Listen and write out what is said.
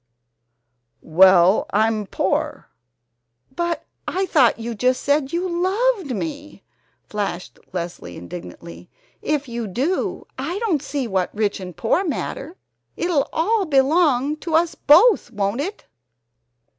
"Well, I'm POOR." "But I thought you just said you loved me!" flashed Leslie indignantly. "If you do, I don't see what rich and poor matter. It'll all belong to us both, won't it?"